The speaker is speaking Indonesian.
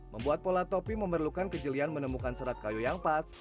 membuat pola topi memerlukan kejelian menemukan serat kayu yang pas